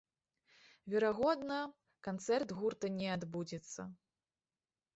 Верагодна, канцэрт гурта не адбудзецца.